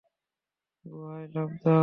গুহায় লাফ দাও!